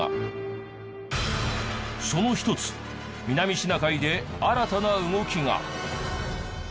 その一つ南シナ海で新たな動きが。